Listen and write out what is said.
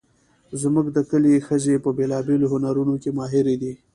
زموږ د کلي ښځې په بیلابیلو هنرونو کې ماهرې دي